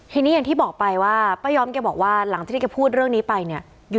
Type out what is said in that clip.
ทีนี้อย่างที่บอกไปว่าป้าย้อมแกบอกว่าหลังจากที่แกพูดเรื่องนี้ไปเนี่ย